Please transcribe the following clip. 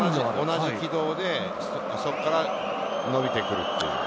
同じ軌道で、そこから伸びてくる。